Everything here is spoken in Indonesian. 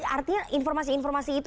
artinya informasi informasi itu